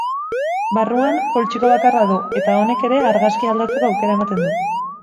Barruan poltsiko bakarra du eta honek ere argazkia aldatzeko aukera ematen du.